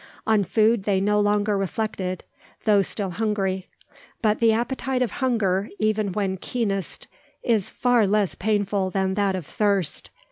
On food they no longer reflected, though still hungry; but the appetite of hunger, even when keenest, is far less painful than that of thirst.